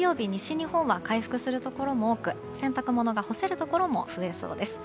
日本は回復するところも多く洗濯物が干せるところも増えそうです。